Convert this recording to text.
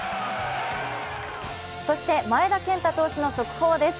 そして前田健太投手の速報です。